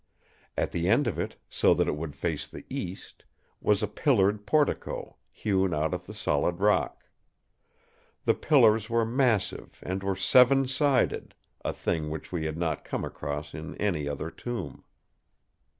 At the end of it, so that it would face the east, was a pillared portico, hewn out of the solid rock. The pillars were massive and were seven sided, a thing which we had not come across in any other tomb.